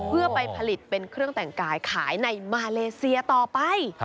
เพื่อไปผลิตเป็นเครื่องแต่งกายขายในมาเลเซียต่อไป